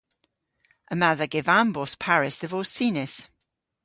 Yma dha gevambos parys dhe vos sinys.